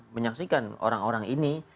menyaksikan orang orang ini